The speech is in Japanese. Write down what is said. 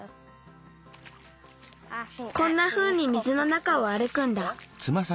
こんなふうに水の中をあるくんだ。